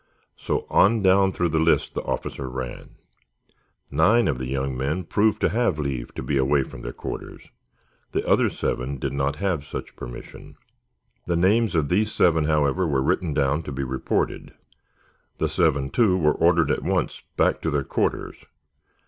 So on down through the list the officer ran. Nine of the young men proved to have leave to be away from their quarters. The other seven did not have such permission. The names of these seven, therefore, were written down to be reported. The seven, too, were ordered at once back to their quarters.